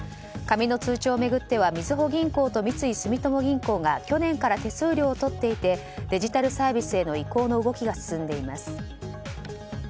紙の通帳を巡ってはみずほ銀行と三井住友銀行が去年から手数料を取っていてデジタルサービスへの移行の動きが進んでいます。